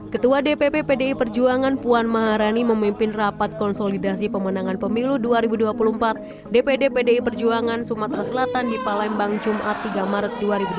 ketua dpp pdi perjuangan puan maharani memimpin rapat konsolidasi pemenangan pemilu dua ribu dua puluh empat dpd pdi perjuangan sumatera selatan di palembang jumat tiga maret dua ribu dua puluh